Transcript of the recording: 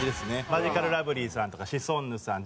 マヂカルラブリーさんとかシソンヌさん